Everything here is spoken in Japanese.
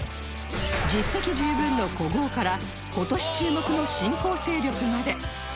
実績十分の古豪から今年注目の新興勢力まで